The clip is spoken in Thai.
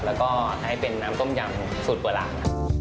แล้วก็ให้เป็นน้ำต้มยำสูตรโบราณครับ